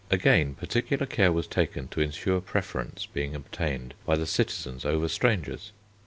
Again, particular care was taken to ensure preference being obtained by the citizens over strangers.